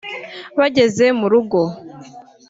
Bageze mu rugo